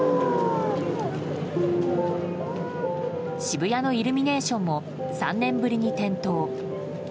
渋谷のイルミネーションも３年ぶりに点灯。